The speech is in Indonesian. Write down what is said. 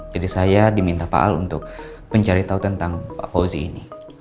jadi saya diminta pak al untuk mencari tahu tentang pak fauzi ini